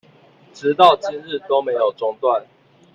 直到今日都沒有中斷